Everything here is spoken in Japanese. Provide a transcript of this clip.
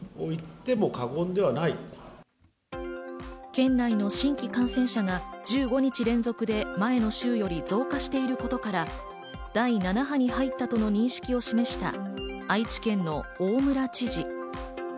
県内の新規感染者が１５日連続で前の週より増加していることから、第７波に入ったとの認識を示した愛知県の大村知事。